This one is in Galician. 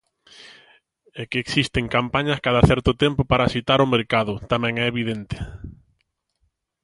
E que existen campañas cada certo tempo para axitar o mercado, tamén é evidente.